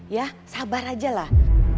ya sabar aja lah